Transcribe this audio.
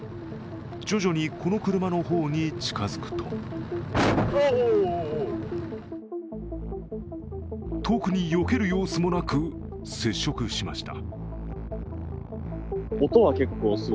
徐々にこの車の方に近づくと特によける様子もなく、接触しました。